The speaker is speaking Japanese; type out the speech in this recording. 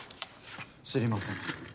知りません。